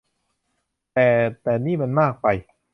แต่ แต่นี่มันมากไป